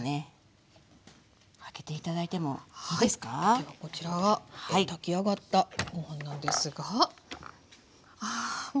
ではこちらが炊き上がったご飯なんですがあもう。